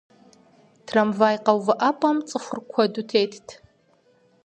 Трамвай къэувыӀэпӀэм цӀыхур куэду тетт.